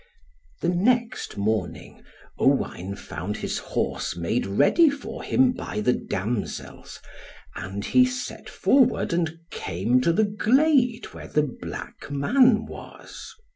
The next morning Owain found his horse made ready for him by the damsels, and he set forward and came to the glade where the black man was.